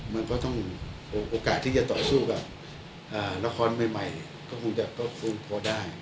มันก็ต้องโอกาสที่จะต่อสู้กับละครใหม่ก็คงจะก็คงพอได้